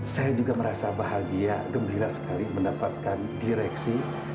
saya juga merasa bahagia gembira sekali mendapatkan direksi